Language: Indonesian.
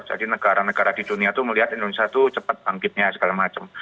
jadi negara negara di dunia itu melihat indonesia itu cepat bangkitnya segala macam